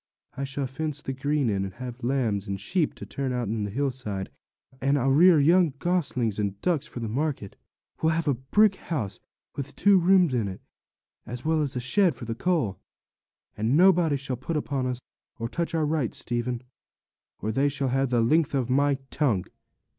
'I shall fence the green in, and have lambs and sheep to turn out on the hillside, and I'll rear young goslings and ducks for market; and we'll have a brick house, with two rooms in it, as well as a shed for the coal. And nobody shall put upon us, or touch our rights, Stephen, or they shall have the length of my tongue.'